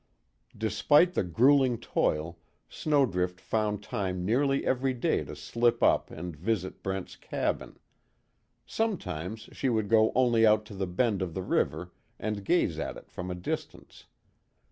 Despite the grueling toil, Snowdrift found time nearly every day to slip up and visit Brent's cabin. Sometimes she would go only to the bend of the river and gaze at it from a distance.